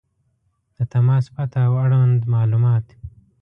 • د تماس پته او اړوند معلومات